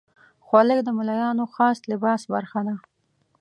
خولۍ د ملایانو خاص لباس برخه ده.